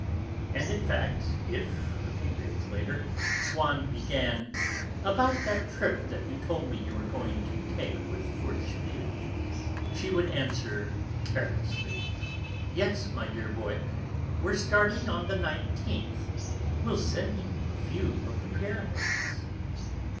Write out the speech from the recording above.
And, in fact, if, a few days later, Swann began: "About that trip that you told me you were going to take with Forcheville," she would answer carelessly: "Yes, my dear boy, we're starting on the 19th; we'll send you a 'view' of the Pyramids."